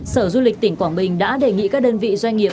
sở du lịch tỉnh quảng bình đã đề nghị các đơn vị doanh nghiệp